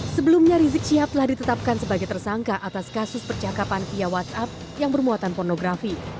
sebelumnya rizik syihab telah ditetapkan sebagai tersangka atas kasus percakapan via whatsapp yang bermuatan pornografi